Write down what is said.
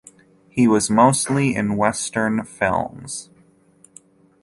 He was mostly in Western films.